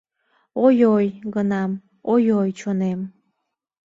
Ой-ой, гынам, ой-ой, чонем